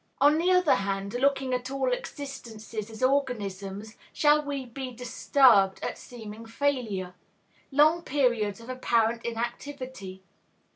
On the other hand, looking at all existences as organisms, shall we be disturbed at seeming failure? long periods of apparent inactivity?